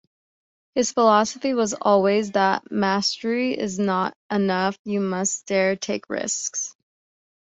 His philosophy was always that "mastery is not enough; you must dare, take risks".